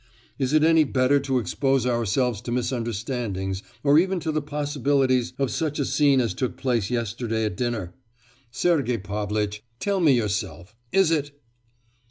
Is it any better to expose ourselves to misunderstandings, or even to the possibilities of such a scene as took place yesterday at dinner? Sergei Pavlitch, tell me yourself, is it?